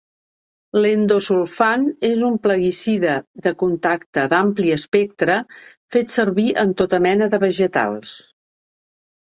L'endosulfan és un plaguicida de contacte d'ampli espectre fet servir en tota mena de vegetals.